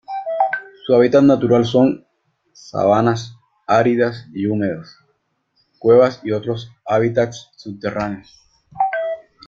Su hábitat natural son: sabanas, áridas y húmedas, cuevas, y otros hábitats subterráneos.